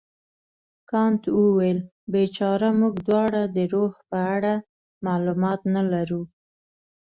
کانت وویل بیچاره موږ دواړه د روح په اړه معلومات نه لرو.